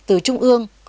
từ trung ương